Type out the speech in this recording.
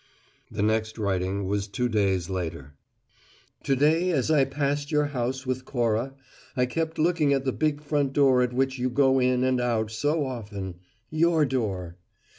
The next writing was two days later: .... "To day as I passed your house with Cora, I kept looking at the big front door at which you go in and out so often your door!